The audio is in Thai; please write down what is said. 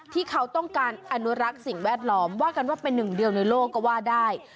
ที่เขาต้องการอนุรักษ์สิ่งแวดล้อมว่ากันว่าเป็นหนึ่งเดียวในโลกก็ว่าได้